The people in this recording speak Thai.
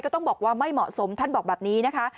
ต้องบอกว่าไม่เหมาะสมท่านบอกแบบนี้นะคะ